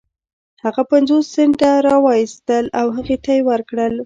هغه پنځوس سنټه را و ايستل او هغې ته يې ورکړل.